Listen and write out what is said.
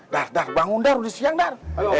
dar dar bangun dar udah siang dar